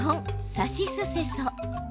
「さしすせそ」。